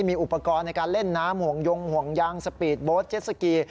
มีอุปกรณ์ในการเล่นน้ำห่วงยงห่วงยางสปีดโบสต์เจ็ดสกี